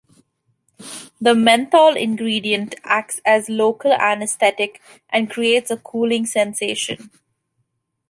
The menthol ingredient acts as local anesthetic and "creates a cooling sensation".